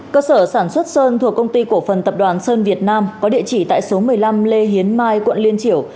cơ sở sản xuất sơn thuộc công ty cổ phần tập đoàn sơn việt nam có địa chỉ tại số một mươi năm lê hiến mai quận liên triểu